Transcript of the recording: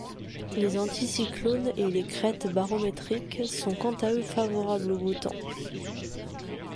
Les anticyclones et les crêtes barométriques sont quant à eux favorables au beau temps.